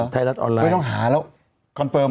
ถ้ายังไม่ต้องหาครับ